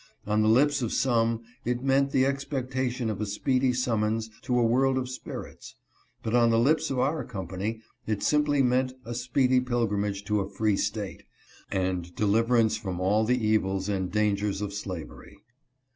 On the lips of some it meant the expectation of a speedy sum mons to a world of spirits ; but on the lips of our com pany it simply meant a speedy pilgrimage to a free State, and deliverance from all the evils and dangers of slavery.